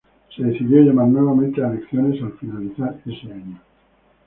Se decidió llamar nuevamente a elecciones al finalizar ese año.